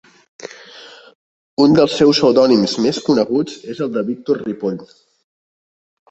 Un dels seus pseudònims més coneguts és el de Víctor Ripoll.